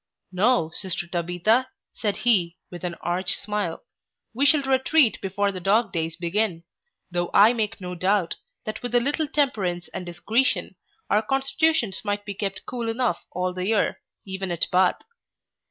'No, sister Tabitha (said he, with an arch smile) we shall retreat before the Dog days begin; though I make no doubt, that with a little temperance and discretion, our constitutions might be kept cool enough all the year, even at Bath.